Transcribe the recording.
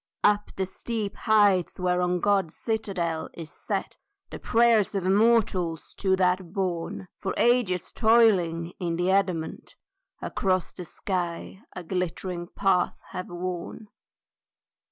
UP the steep heights whereon God's citadel Is set, the prayers of mortals to that bourne, For ages toiling, in the adamant, Across the sky a glittering path have worn.